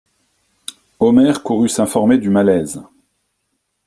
Omer courut s'informer du malaise.